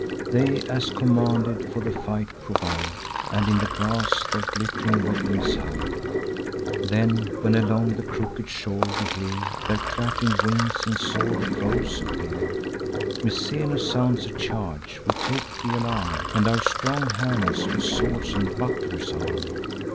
They, as commanded, for the fight provide, And in the grass their glitt'ring weapons hide; Then, when along the crooked shore we hear Their clatt'ring wings, and saw the foes appear, Misenus sounds a charge: we take th' alarm, And our strong hands with swords and bucklers arm.